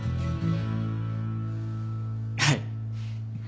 はい。